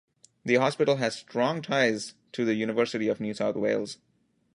The hospital has strong ties to the University of New South Wales.